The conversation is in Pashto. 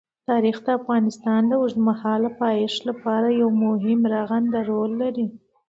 تاریخ د افغانستان د اوږدمهاله پایښت لپاره یو مهم او رغنده رول لري.